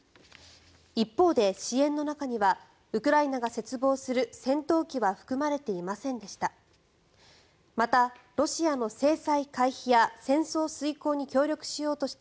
一方で支援の中にはウクライナが切望する戦闘機は含まれていませんでした。